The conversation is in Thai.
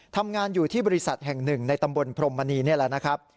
ทำงานอยู่ที่บริษัทแห่งหนึ่งในตำบลพรมมณีนี่แหละนะครับ